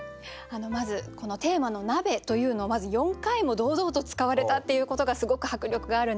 まずこのテーマの「鍋」というのをまず４回も堂々と使われたっていうことがすごく迫力があるなと。